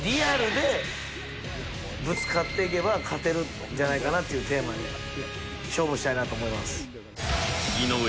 ぶつかっていけば勝てるんじゃないかなっていうテーマで勝負したいなと思います。